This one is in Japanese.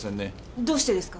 どうしてですか？